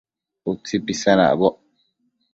Ma utsi pisenpacboc